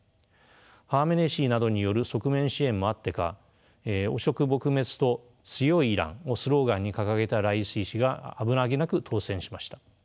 ハーメネイ師などによる側面支援もあってか汚職撲滅と強いイランをスローガンに掲げたライシ師が危なげなく当選しました。